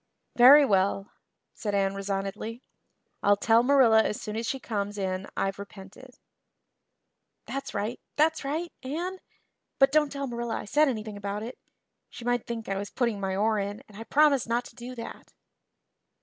"Very well," said Anne resignedly. "I'll tell Marilla as soon as she comes in I've repented." "That's right that's right, Anne. But don't tell Marilla I said anything about it. She might think I was putting my oar in and I promised not to do that."